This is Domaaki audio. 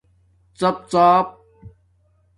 ڎپ ڎاپ